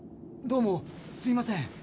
どうもすいません。